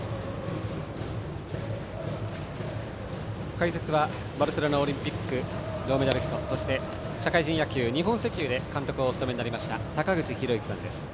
解説はバルセロナオリンピック銅メダリストそして社会人野球、日本石油で監督を務めました坂口裕之さんです。